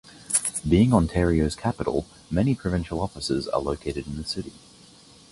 Being Ontario's capital, many provincial offices are located in the city.